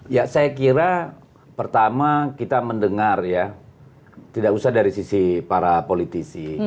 ya saya kira pertama kita mendengar ya tidak usah dari sisi para politisi